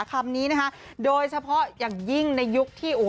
คำนี้นะคะโดยเฉพาะอย่างยิ่งในยุคที่